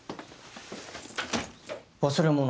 忘れ物。